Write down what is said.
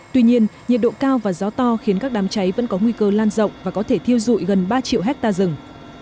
tuy nhiên nhiệt độ cao và gió to khiến các đám cháy vẫn có nguy cơ lan rộng và có thể thiêu dụi gần ba triệu hectare rừng